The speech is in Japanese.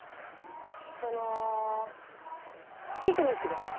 そのピクニックです。